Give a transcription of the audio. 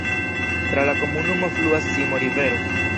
Tra la komunumo fluas Simo-rivero.